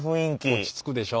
落ち着くでしょ。